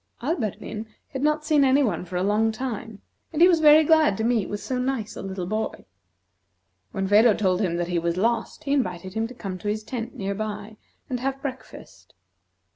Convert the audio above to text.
Alberdin had not seen any one for a long time, and he was very glad to meet with so nice a little boy. When Phedo told him that he was lost, he invited him to come to his tent, near by, and have breakfast.